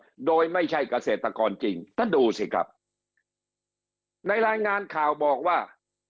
กเศรษฐกรโดยไม่ใช่กเศรษฐกรจริงดูสิครับในรายงานข่าวบอกว่า